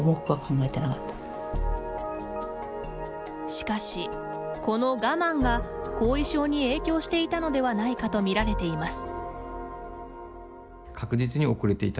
しかし、この我慢が後遺症に影響していたのでないかと見られています。